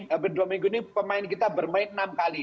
hampir dua minggu ini pemain kita bermain enam kali